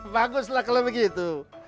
bagus lah kalau begitu